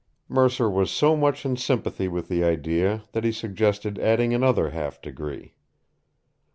Mercer was so much in sympathy with the idea that he suggested adding another half degree.